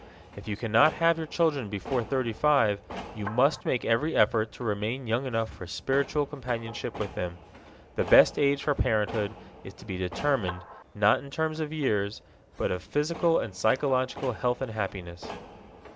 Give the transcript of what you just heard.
If you cannot have your children before thirty five, you must make every effort to remain young enough for spiritual companionship with them. The best age for parenthood is to be determined, not in terms of years, but of physical and psychological health and happiness.